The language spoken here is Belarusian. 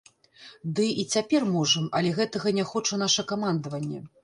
Ды, і цяпер можам, але гэтага не хоча наша камандаванне.